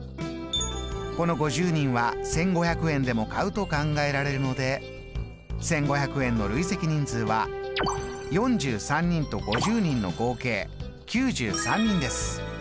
この５０人は１５００円でも買うと考えられるので１５００円の累積人数は４３人と５０人の合計９３人です。